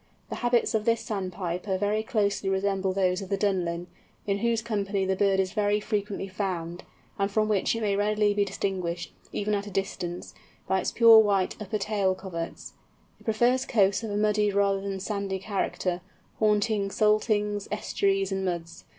The habits of this Sandpiper very closely resemble those of the Dunlin, in whose company the bird is very frequently found, and from which it may readily be distinguished, even at a distance, by its pure white upper tail coverts. It prefers coasts of a muddy rather than a sandy character, haunting saltings, estuaries, and muds.